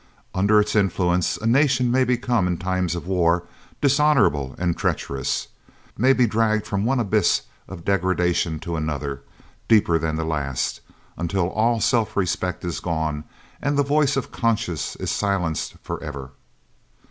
Under its influence a nation may become, in times of war, dishonourable and treacherous, may be dragged from one abyss of degradation to another, deeper than the last, until all self respect is gone and the voice of conscience is silenced for ever.